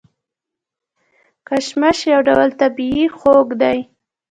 کشمش یو ډول طبیعي خوږ دی.